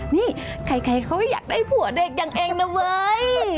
นี่ใครเขาอยากได้ผัวเด็กอย่างเองนะเว้ย